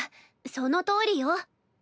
そのとおりよ。